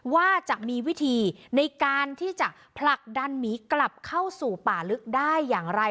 ว่าจะมีวิธีในการที่จะผลักดันหมีกลับเข้าสู่ป่าลึกได้อย่างไร